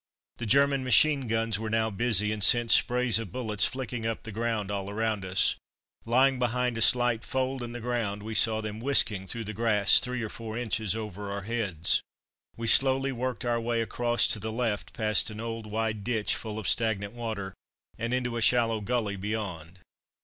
The German machine guns were now busy, and sent sprays of bullets flicking up the ground all round us. Lying behind a slight fold in the ground we saw them whisking through the grass, three or four inches over our heads. We slowly worked our way across to the left, past an old, wide ditch full of stagnant water, and into a shallow gully beyond.